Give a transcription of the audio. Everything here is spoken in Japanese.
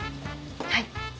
はい。